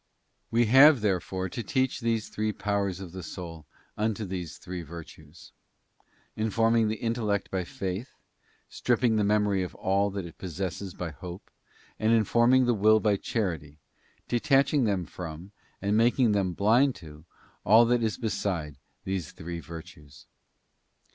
'* We have, therefore, to lead these three powers of the 'soul unto these three virtues; informing the intellect by Faith, stripping the memory of all that it possesses by Hope, and informing the will by Charity, detaching them from, and making them blind to, all that is beside these three virtues.